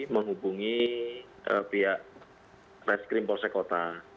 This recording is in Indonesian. menghubungi pihak reskrim polsekota